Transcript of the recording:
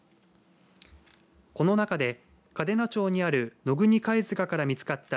この中で嘉手納町にある野国貝塚から見つかった